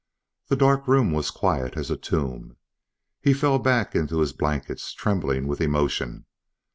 The dark room was as quiet as a tomb. He fell back into his blankets trembling with emotion.